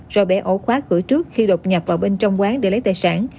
rồi bé ổ khóa cửa trước khi đột nhập vào bên trong quán để lấy tài sản